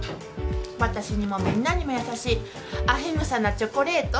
私にもみんなにも優しいアヒムサなチョコレート？